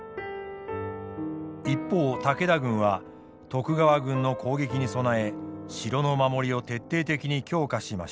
一方武田軍は徳川軍の攻撃に備え城の守りを徹底的に強化しました。